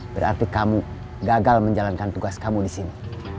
berarti kamu gagal menjalankan tugas kamu disini